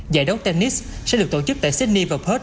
giải đấu tennis sẽ được tổ chức tại sydney và perth